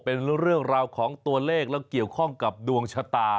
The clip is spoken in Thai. เป็นเรื่องราวของตัวเลขแล้วเกี่ยวข้องกับดวงชะตา